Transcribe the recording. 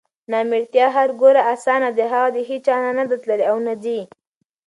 نامېړتیا هر ګوره اسانه ده هغه د هیچا نه نده تللې اونه ځي